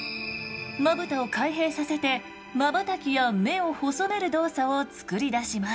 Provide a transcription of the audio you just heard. まぶたを開閉させてまばたきや目を細める動作を作り出します。